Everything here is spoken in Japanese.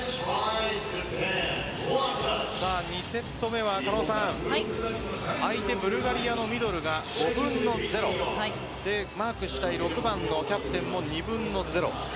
２セット目は相手、ブルガリアのミドルが５分の０マークしたい６番のキャプテンも２分の０。